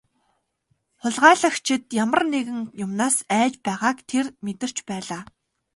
Хулгайлагчид ямар нэгэн юмнаас айж байгааг тэр мэдэрч байлаа.